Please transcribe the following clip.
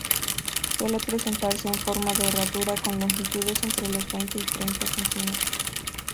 Suele presentarse en forma de "herradura" con longitudes ente los veinte y treinta centímetros.